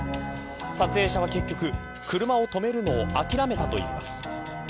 撮影者は結局車を止めるのを諦めたといいます。